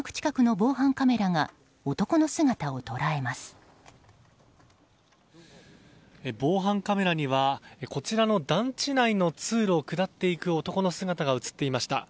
防犯カメラにはこちらの団地内の通路を下っていく男の姿が映っていました。